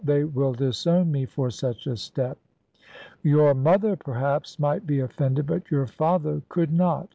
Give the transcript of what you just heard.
They would disown me for such a step." "Your mother, perhaps, might be offended, but your father could not.